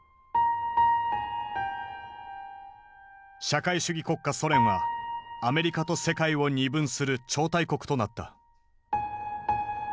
社会主義国家ソ連はアメリカと世界を二分する超大国となった。